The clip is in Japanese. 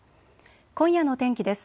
今夜の天気です。